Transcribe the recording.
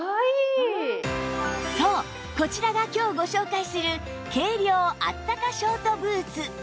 そうこちらが今日ご紹介する軽量あったかショートブーツ